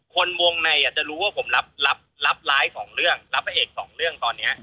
คนวงในจะรู้ว่าผมรับล้ายสองเรื่อง